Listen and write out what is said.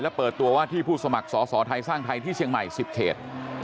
และเปิดตัวว่าที่ผู้สมัครสอสอไทยสร้างไทยที่เชียงใหม่๑๐เขต